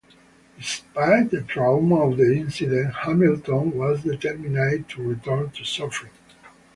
Despite the trauma of the incident, Hamilton was determined to return to surfing.